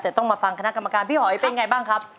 แต่ต้องมาฟังคณะกรรมการพี่หอยเป็นไงบ้างครับ